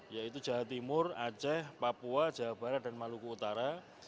yaitu jawa timur aceh papua jawa barat dan maluku utara